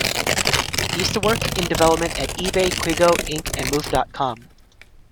He used to work in development at eBay, Quigo, Inc and Move dot com.